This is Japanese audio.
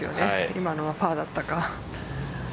今のはパーだったか。